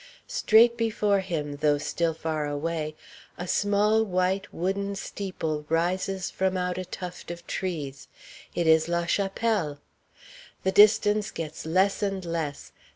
Straight before him, though still far away, a small, white, wooden steeple rises from out a tuft of trees. It is la chapelle! The distance gets less and less.